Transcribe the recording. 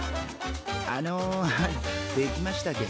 あのできましたけど。